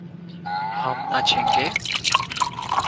ہم ناچے گے